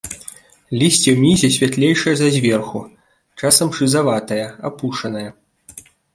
Лісце ўнізе святлейшае за зверху, часам шызаватае, апушанае.